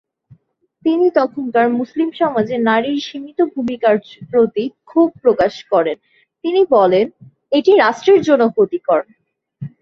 তিনি তখনকার মুসলিম সমাজে নারীর সীমিত ভূমিকার প্রতি ক্ষোভ প্রকাশ করেন; তিনি বলেন এটি রাষ্ট্রের জন্য ক্ষতিকর।